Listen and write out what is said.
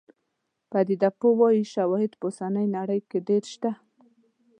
پدیده پوه وايي شواهد په اوسنۍ نړۍ کې ډېر شته.